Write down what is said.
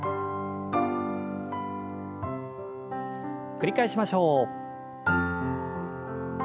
繰り返しましょう。